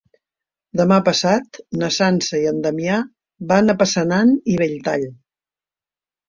Demà passat na Sança i en Damià van a Passanant i Belltall.